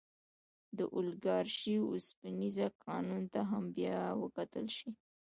د اولیګارشۍ اوسپنیز قانون ته هم باید وکتل شي.